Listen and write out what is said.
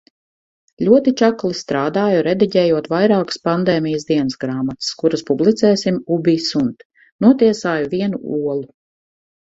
Ļoti čakli strādāju, rediģējot vairākas pandēmijas dienasgrāmatas, kuras publicēsim Ubi Sunt. Notiesāju vienu olu.